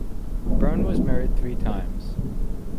Berne was married three times.